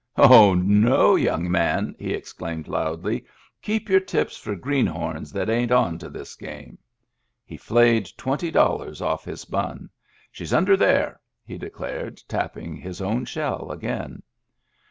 " Ho, no, young man !" he exclaimed loudly* " Keep your tips for greenhorns that ain't on to this game." He flayed twenty dollars oflF his bun. " She's under there," he declared, tapping his own shell again.